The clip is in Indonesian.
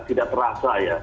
tidak terasa ya